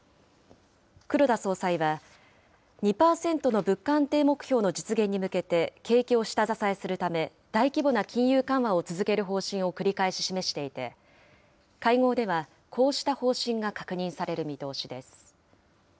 黒田総裁は、２％の物価安定目標の実現に向けて、景気を下支えするため、大規模な金融緩和を続ける方針を繰り返し示していて、会合ではこうした方針が確認される見通しです。